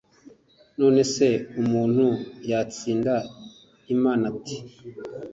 none se umuntu yatsinda imana ate